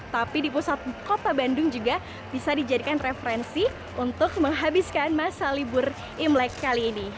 tapi di pusat kota bandung juga bisa dijadikan referensi untuk menghabiskan masa libur imlek kali ini